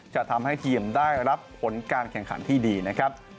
จะทำให้ทีมได้รับผลการแข่งขันที่ดีนะครับ